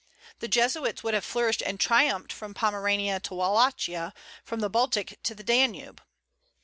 The Jesuits would have flourished and triumphed from Pomerania to Wallachia; from the Baltic to the Danube.